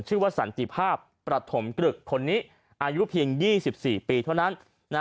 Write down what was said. สันติภาพประถมกรึกคนนี้อายุเพียง๒๔ปีเท่านั้น